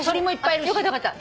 あっよかったよかった。